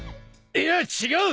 いや違う！